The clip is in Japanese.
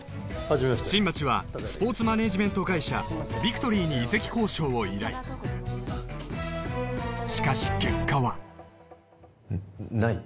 新町はスポーツマネージメント会社ビクトリーに移籍交渉を依頼しかし結果はうん？ない？